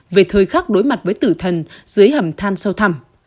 về thời khắc đối mặt với tử thần dưới hầm than sâu thẳm